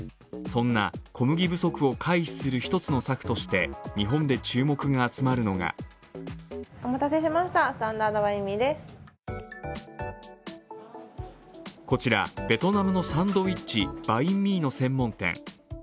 そんな、小麦不足を回避する一つの策として日本で注目が集まるのがこちら、ベトナムのサンドイッチバインミーの専門店。